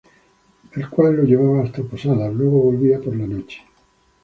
El cual lo llevaba hasta Posadas, luego volvía por la noche.